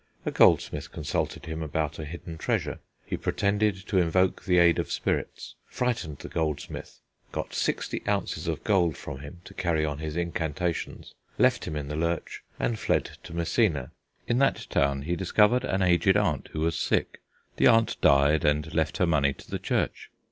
A goldsmith consulted him about a hidden treasure; he pretended to invoke the aid of spirits, frightened the goldsmith, got sixty ounces of gold from him to carry on his incantations, left him in the lurch, and fled to Messina. In that town he discovered an aged aunt who was sick; the aunt died, and left her money to the Church.